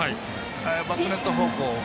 バックネット方向。